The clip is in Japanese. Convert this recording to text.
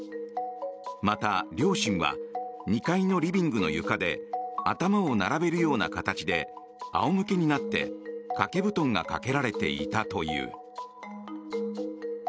また、両親は２階のリビングの床で頭を並べるような形で仰向けになって掛け布団がかけられていたという。